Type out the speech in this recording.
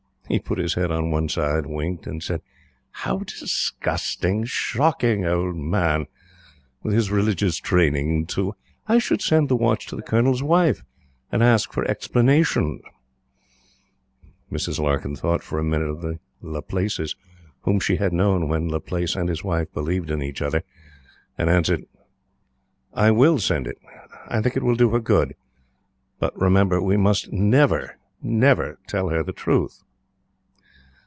He put his head on one side, winked and said: "How disgusting! Shocking old man! with his religious training, too! I should send the watch to the Colonel's Wife and ask for explanations." Mrs. Larkyn thought for a minute of the Laplaces whom she had known when Laplace and his wife believed in each other and answered: "I will send it. I think it will do her good. But remember, we must NEVER tell her the truth."